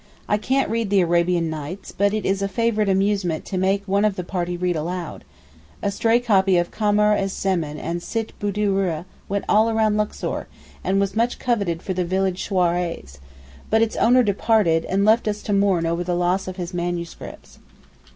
I can't read the 'Arabian Nights,' but it is a favourite amusement to make one of the party read aloud; a stray copy of 'Kamar ez Zeman and Sitt Boodoora' went all round Luxor, and was much coveted for the village soirées. But its owner departed, and left us to mourn over the loss of his MSS.